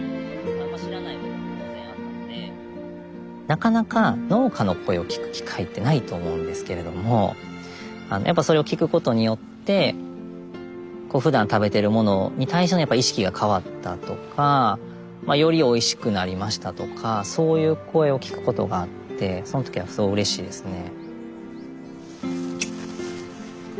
なかなか農家の声を聞く機会ってないと思うんですけれどもやっぱそれを聞くことによってふだん食べてるものに対してのやっぱ意識が変わったとかよりおいしくなりましたとかそういう声を聞くことがあってその時はすごいうれしいですね。